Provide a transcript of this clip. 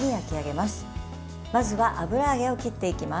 まずは油揚げを切っていきます。